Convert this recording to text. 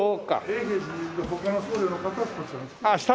永平寺の他の僧侶の方はこちらの黒。